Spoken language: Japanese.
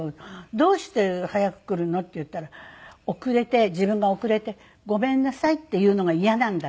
「どうして早く来るの？」って言ったら遅れて自分が遅れて「ごめんなさい」って言うのがイヤなんだって。